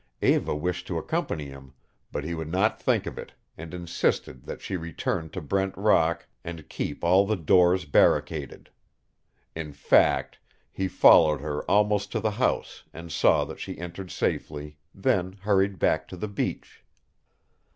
Eva wished to accompany him, but he would not think of it, and insisted that she return to Brent Rock and keep all the doors barricaded. In fact, he followed her almost to the house and saw that she entered safely, then hurried back to the beach.